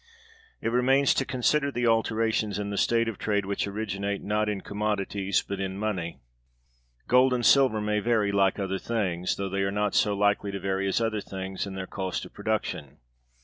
It remains to consider the alterations in the state of trade which originate not in commodities but in money. Gold and silver may vary like other things, though they are not so likely to vary as other things in their cost of production.